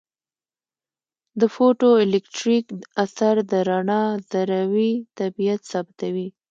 د فوټو الیټکریک اثر د رڼا ذروي طبیعت ثابتوي.